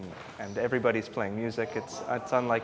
dan semua orang memainkan musik